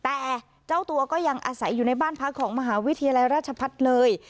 แต่เจ้าตัวก็ยังอาศัยอยู่ในบ้านพักของมหาวิทยาลัยราชพัฒน์เลย